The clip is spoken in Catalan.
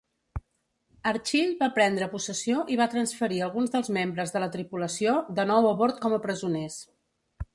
"Achille" va prendre possessió i va transferir alguns dels membres de la tripulació de nou a bord com a presoners.